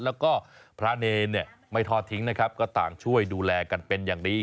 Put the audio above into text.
แล้วก็พระเนรเนี่ยไม่ทอดทิ้งนะครับก็ต่างช่วยดูแลกันเป็นอย่างดี